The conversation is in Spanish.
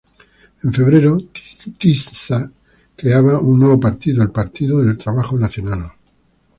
En febrero Tisza creaba un nuevo partido, el Partido del Trabajo Nacional.